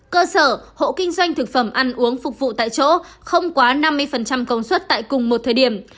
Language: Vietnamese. cơ sở hộ kinh doanh thực phẩm ăn uống phục vụ tại chỗ không quá năm mươi công suất tại cùng một thời điểm